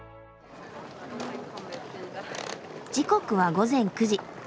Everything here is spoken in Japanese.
時刻は午前９時。